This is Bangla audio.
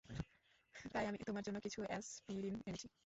তাই আমি তোমার জন্য কিছু অ্যাসপিরিন এনেছি।